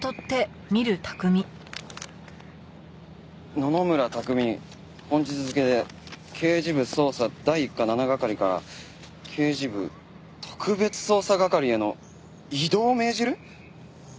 「野々村拓海本日付で刑事部捜査第一課７係から刑事部特別捜査係への異動を命じる」？